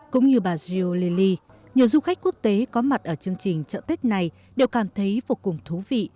cũng như bà gio ley nhiều du khách quốc tế có mặt ở chương trình chợ tết này đều cảm thấy vô cùng thú vị